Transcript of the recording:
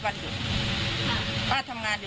เกิดว่าจะต้องมาตั้งโรงพยาบาลสนามตรงนี้